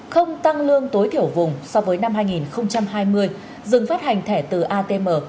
không tăng lương tối thiểu vùng so với năm hai nghìn hai mươi dừng phát hành thẻ từ atm